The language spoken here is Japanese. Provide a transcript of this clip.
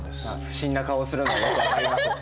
不審な顔をするのもよく分かりますよ。